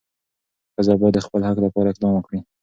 ښځه باید د خپل حق لپاره اقدام وکړي.